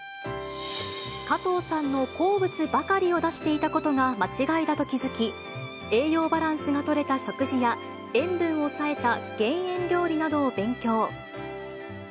加藤さんの好物ばかりを出していたことが、間違いだと気付き、栄養バランスが取れた食事や、塩分を抑えた減塩料理などを勉強。